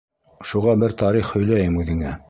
Шуға бер тарих һөйләйем үҙеңә.